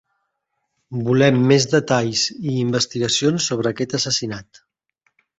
Volem més detalls i investigacions sobre aquest assassinat.